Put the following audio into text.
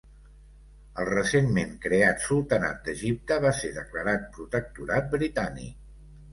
El recentment creat Sultanat d'Egipte va ser declarat protectorat britànic.